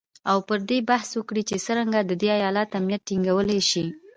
او پر دې بحث وکړي چې څرنګه د دې ایالت امنیت ټینګیدلی شي